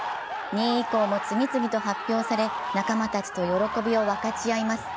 ２位以下も次々と発表され仲間たちと喜びを分かち合います。